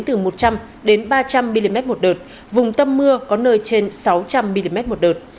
từ một trăm linh đến ba trăm linh mm một đợt vùng tâm mưa có nơi trên sáu trăm linh mm một đợt